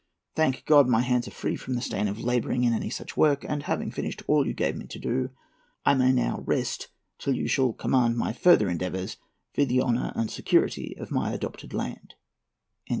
Thank God, my hands are free from the stain of labouring in any such work; and having finished all you gave me to do, I may now rest till you shall command my further endeavours for the honour and security of my adopted land."